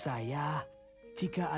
tuhan yang menjaga kita